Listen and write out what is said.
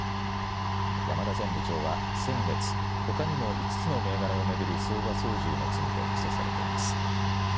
山田前部長は先月、ほかにも５つの銘柄を巡る相場操縦の罪で起訴されています。